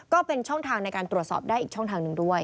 ก็เป็นช่องทางในการตรวจสอบได้อีกช่องทางหนึ่งด้วย